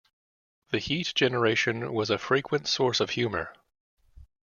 The heat generation was a frequent source of humour.